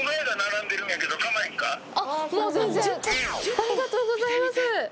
ありがとうございます。